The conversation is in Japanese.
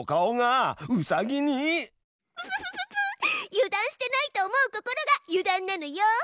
油断してないと思う心が油断なのよ！